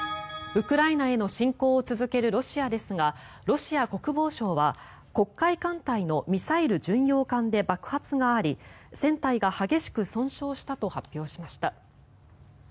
ウクライナへの侵攻を続けるロシアですがロシア国防省は黒海艦隊のミサイル巡洋艦で爆発があり船体が激しく損傷したと発表しました。